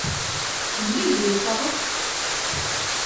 Ниндәй бейеү тағы?